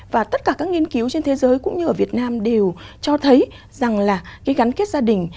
và tất cả các nghiên cứu trên thế giới cũng như ở việt nam đều cho thấy rằng là cái gắn kết gia đình